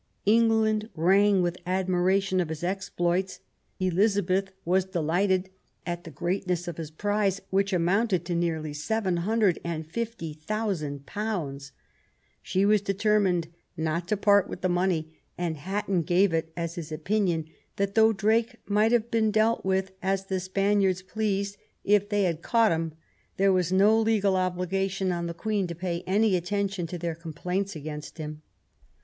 England rang with admiration of his exploits. Elizabeth was delighted at the greatness of his prize, which amounted to nearly ^^750,000. She was de termined not to part with the money, and Hatton gave it as his opinion that, though Drake might have been dealt with as the Spaniards pleased, if they had caught him, there was no legal obligation on the Queen to pay any attention to their complaints against him.